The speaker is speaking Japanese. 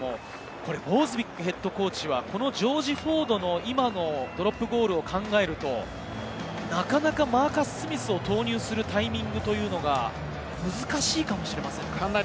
ボーズウィックＨＣはジョージ・フォードのドロップゴールを考えるとなかなかマーカス・スミスを投入するタイミングが難しいかもしれません。